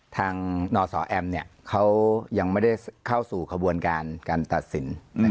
นศแอมเขายังไม่ได้เข้าสู่ขบวนการการตัดสิน